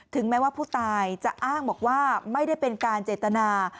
แม้ว่าผู้ตายจะอ้างบอกว่าไม่ได้เป็นการเจตนา